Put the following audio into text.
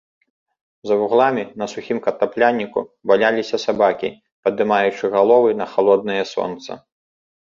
За вугламі, на сухім картапляніку, валяліся сабакі, падымаючы галовы на халоднае сонца.